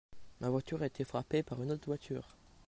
Ma voiture a été frappé par une autre voiture.